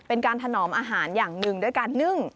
ถนอมอาหารอย่างหนึ่งด้วยการนึ่ง